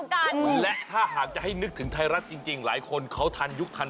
ที่เราจะได้แจกทองล้านครั้งที่๖แล้วนะคุณผู้ชม